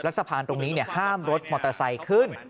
สะพานตรงนี้ห้ามรถมอเตอร์ไซค์ขึ้น